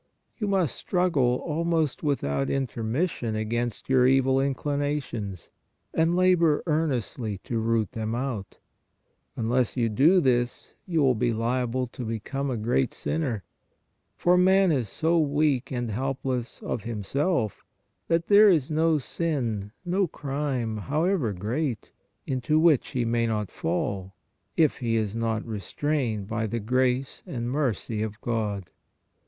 You must struggle almost without in termission against your evil inclinations, and labor earnestly to root them out ; unless you do this, you will be liable to become a great sinner, for man is so weak and helpless of himself, that there is no sin, no crime, however great, into which he may not fall, if he is not restrained by the grace and mercy of God.